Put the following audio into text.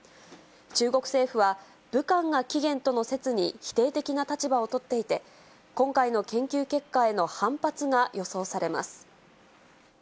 中国政府は、武漢が起源との説に否定的な立場を取っていて、今回の研究結果への反発が予想されます。